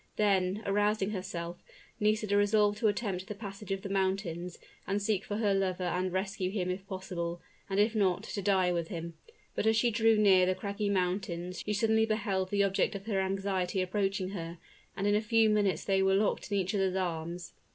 Then, arousing herself, Nisida resolved to attempt the passage of the mountains, and seek for her lover and rescue him if possible, and if not, to die with him. But as she drew near the craggy mountains she suddenly beheld the object of her anxiety approaching her, and in a few minutes they were locked in each other's arms.